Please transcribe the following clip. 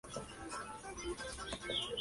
Esto es la ventaja de la casa.